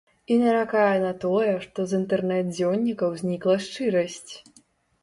І наракае на тое, што з інтэрнэт-дзённікаў знікла шчырасць.